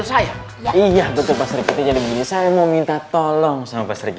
lewis dubarnak sepertinya ada sesuatu yang penting merakit saya moisture